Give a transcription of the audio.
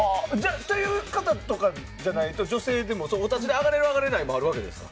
という方とかじゃないと女性でもお立ち台に上がれる上がれないとかあるわけですか。